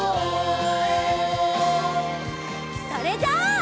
それじゃあ。